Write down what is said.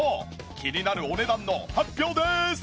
気になるお値段の発表です！